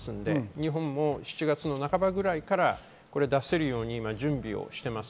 日本も４月半ばぐらいから出せるように準備をしています。